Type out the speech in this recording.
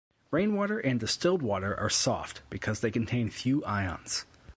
Rainwater and distilled water are soft, because they contain few ions.